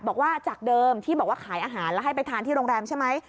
บอกว่าจากเดิมที่บอกว่าขายอาหารแล้วให้ไปทานที่โรงแรมใช่ไหม